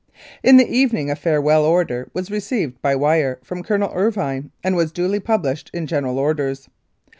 In the evening a farewell order was received by wire from Colonel Irvine, and was duly published in General Orders.